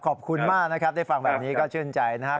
ขอบคุณมากนะครับได้ฟังแบบนี้ก็ชื่นใจนะครับ